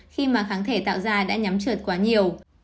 khi mà kháng thể tạo ra đã nhắm trượt quá nhiều